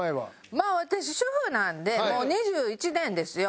まあ私主婦なんでもう２１年ですよ。